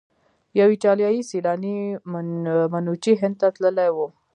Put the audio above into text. یو ایټالیایی سیلانی منوچي هند ته تللی و.